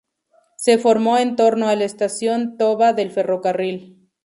Se formó en torno a la estación Toba del Ferrocarril.